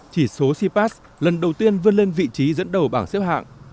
chỉ số cpas lần đầu tiên vươn lên vị trí dẫn đầu bảng xếp hạng